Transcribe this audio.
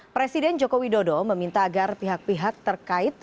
presiden joko widodo meminta agar pihak pihak terkait